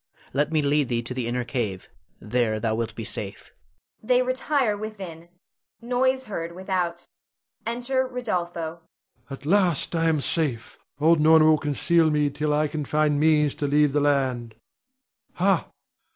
Let me lead thee to the inner cave, there thou wilt be safe. [They retire within; noise heard without. Enter Rodolpho. Rod. At last I am safe. Old Norna will conceal me till I can find means to leave the land. Ha!